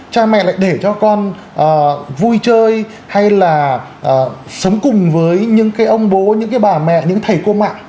cha mẹ lại để cho con vui chơi hay là sống cùng với những cái ông bố những cái bà mẹ những thầy cô mạng